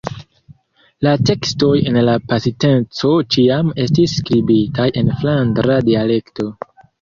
La tekstoj en la pasinteco ĉiam estis skribitaj en flandra dialekto.